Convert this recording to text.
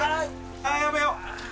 あぁやめよう！